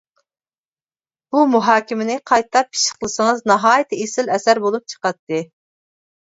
بۇ مۇھاكىمىنى قايتا پىششىقلىسىڭىز ناھايىتى ئېسىل ئەسەر بولۇپ چىقاتتى.